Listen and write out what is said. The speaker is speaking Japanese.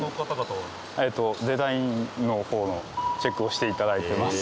デザインの方のチェックをして頂いてます